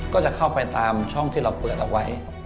ก็จะเข้าไปตามช่องที่เราเปิดเอาไว้